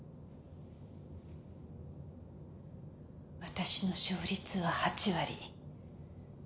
私の勝率は８割。